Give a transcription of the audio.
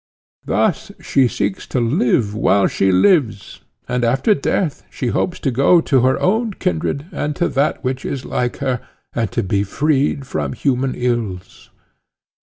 Thus she seeks to live while she lives, and after death she hopes to go to her own kindred and to that which is like her, and to be freed from human ills.